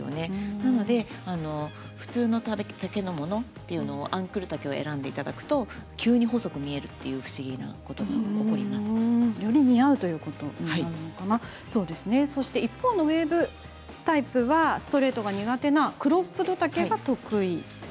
なので、普通の丈のものというのをアンクル丈を選んでいただくと急に細く見えるというそして一方のウエーブタイプはストレートが苦手なクロップド丈が得意。